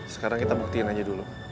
sekarang kita buktiin aja dulu